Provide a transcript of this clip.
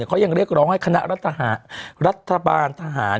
เขายังเรียกร้องให้คณะรัฐบาลทหาร